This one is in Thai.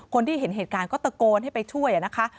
คนที่เห็นเหตุการณ์ก็ตะโกนให้ไปช่วยนะคะ